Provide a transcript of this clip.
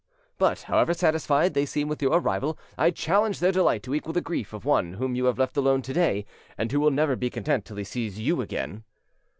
But, however satisfied they seem with your arrival, I challenge their delight to equal the grief of one whom you have left alone to day, and who will never be content till he sees you again.